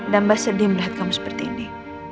dan mbak sedih melihat kamu seperti ini